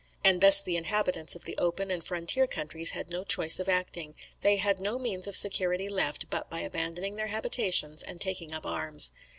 "] and thus "the inhabitants of the open and frontier countries had no choice of acting: they had no means of security left, but by abandoning their habitations and taking up arms.